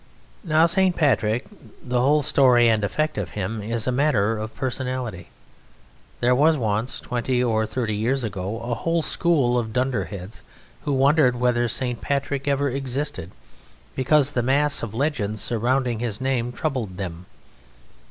Now St. Patrick, the whole story and effect of him, is a matter of Personality. There was once twenty or thirty years ago a whole school of dunderheads who wondered whether St. Patrick ever existed, because the mass of legends surrounding his name troubled them.